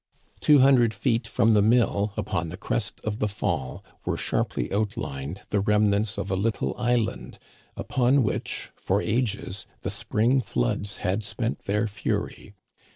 Two hundred feet from the mill, upon the crest of the fall, were sharply outlined the remnants of a little island upon which, for ages, the spring floods had spent their fury.